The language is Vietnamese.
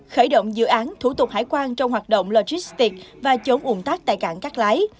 khởi động dự án thủ tục hải quan trong hoạt động logistics và chống ủng tác tại cảng cát lái